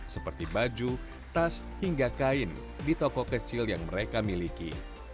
seperti baju tas hingga kain di toko kecil yang mereka miliki